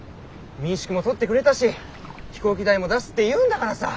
民宿も取ってくれたし飛行機代も出すって言うんだからさ。